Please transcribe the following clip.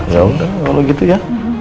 ya udah kalau gitu ya